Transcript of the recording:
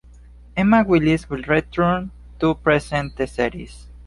Emma Willis will return to present the series.